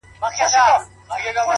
را روان په شپه كــــي ســـېــــــل دى _